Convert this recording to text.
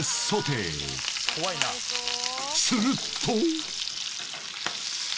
［すると］